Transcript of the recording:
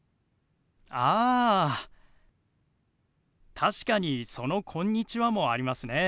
確かにその「こんにちは」もありますね。